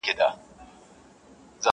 زړه د اسیا ومه ثاني جنت وم,